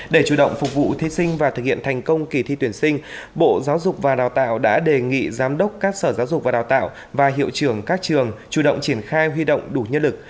để chủ động phục vụ thí sinh và thực hiện thành công kỳ thi tuyển sinh bộ giáo dục và đào tạo đã đề nghị giám đốc các sở giáo dục và đào tạo và hiệu trưởng các trường chủ động triển khai huy động đủ nhân lực